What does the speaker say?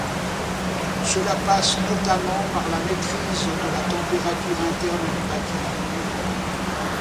Cela passe notamment par la maîtrise de la température interne du bâtiment.